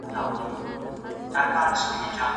ويل کېږي چي نننی نسل يوازي په نوم حزبيان او جمعيتيان دي.